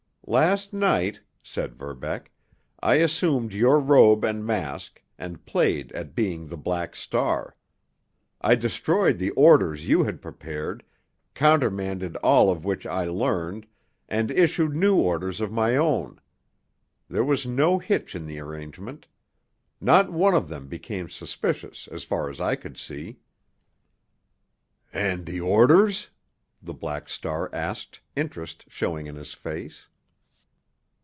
"Last night," said Verbeck, "I assumed your robe and mask, and played at being the Black Star. I destroyed the orders you had prepared, countermanded all of which I learned, and issued new orders of my own. There was no hitch in the arrangement. Not one of them became suspicious as far as I could see." "And the orders?" the Black Star asked, interest showing in his face.